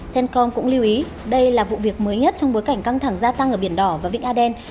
cencom cũng lưu ý đây là vụ việc mới nhất trong bối cảnh căng thẳng gia tăng ở biển đỏ và vịnh aden